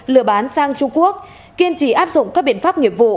lừa bán sang trung quốc kiên trì áp dụng các biện pháp nghiệp vụ